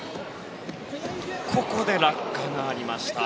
ここで落下がありました。